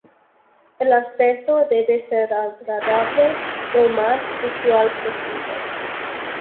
El aspecto debe ser agradable, lo más visual posible.